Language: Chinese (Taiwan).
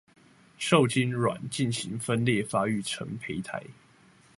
受精卵進行分裂發育成胚胎